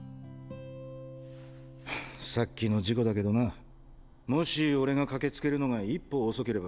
ハァさっきの事故だけどなもし俺が駆けつけるのが一歩遅ければ。